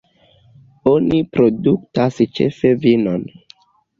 Oni produktas ĉefe vinon.